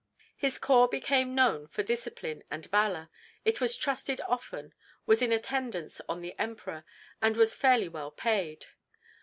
His corps became known for discipline and valour. It was trusted often, was in attendance on the Emperor, and was fairly well paid.